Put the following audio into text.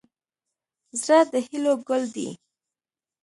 زړه د هیلو ګل دی.